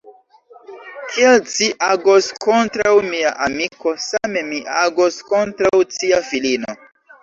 Kiel ci agos kontraŭ mia amiko, same mi agos kontraŭ cia filino.